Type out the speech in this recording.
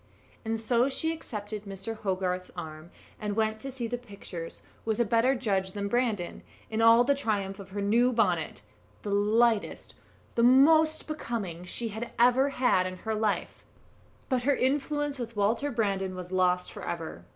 And so she accepted Mr. Hogarth's arm, and went to see the pictures with a better judge than Brandon, in all the triumph of her new bonnet the lightest, the most becoming she had ever had in her life: but her influence with Walter Brandon was lost for ever.